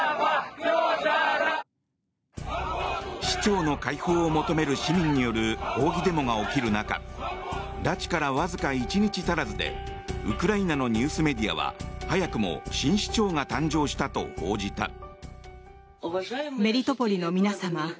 市長の解放を求める市民による抗議デモが起きる中拉致からわずか１日足らずでウクライナのニュースメディアは早くも新市長が誕生したと報じた。